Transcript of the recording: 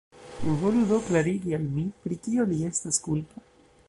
Volu do klarigi al mi, pri kio li estas kulpa?